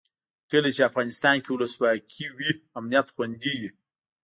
کله چې افغانستان کې ولسواکي وي امنیت خوندي وي.